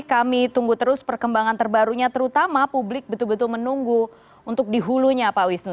kami tunggu terus perkembangan terbarunya terutama publik betul betul menunggu untuk di hulunya pak wisnu